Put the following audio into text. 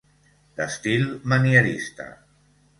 D'estil manierista.